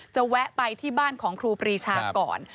แวะไปที่บ้านของครูปรีชาก่อน